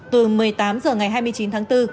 từ một mươi tám h ngày hai mươi chín tháng bốn